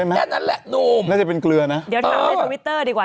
แค่นั้นแหละนุ่มน่าจะเป็นเกลือนะเดี๋ยวถามในทวิตเตอร์ดีกว่า